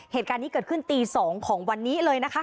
เหตุการณ์นี้เกิดขึ้นตี๒ของวันนี้เลยนะคะ